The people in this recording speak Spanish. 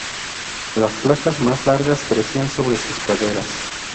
Las placas más largas crecían sobre sus caderas.